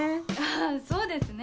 あぁそうですね。